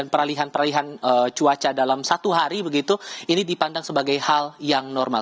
peralihan peralihan cuaca dalam satu hari begitu ini dipandang sebagai hal yang normal